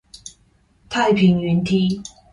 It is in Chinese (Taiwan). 太平雲梯